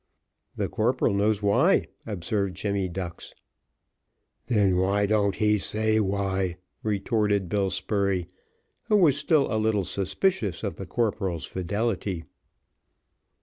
"The corporal knows why," observed Jemmy Ducks. "Then why don't he say why?" retorted Bill Spurey, who was still a little suspicious of the corporal's fidelity.